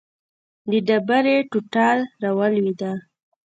د ډبرې ټوټه راولوېده.